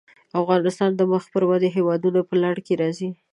افغانستان د مخ پر ودې هېوادونو په لړ کې راځي.